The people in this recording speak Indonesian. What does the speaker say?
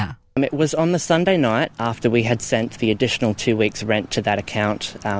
itu adalah hari selatan setelah kami mengirim uang pembayaran tambahan dua minggu ke akun bank itu pada pagi itu